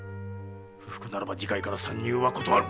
不服ならば次回から参入は断る！